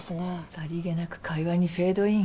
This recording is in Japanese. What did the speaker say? さりげなく会話にフェードイン。